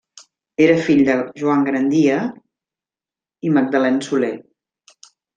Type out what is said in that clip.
Era fill de Joan Grandia i Magdalena Soler.